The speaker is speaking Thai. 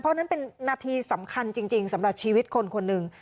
เพราะนั้นเป็นนาทีสำคัญจริงสำหรับชีวิตคนคนหนึ่ง